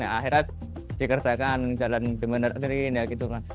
akhirnya dikerjakan jalan di bandar terindah gitu kan